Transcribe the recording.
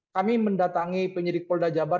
kami mendatangi penyidik polda jabar